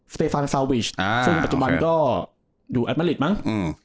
สเตฟานซาวิชอ่าค่ะค่ะปัจจุบันก็ดูอัตมาริชมั้งอืม